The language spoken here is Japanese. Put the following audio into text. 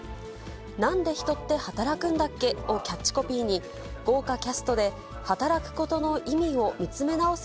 なんで人って働くんだっけ？をキャッチコピーに、豪華キャストで働くことの意味を見つめ直す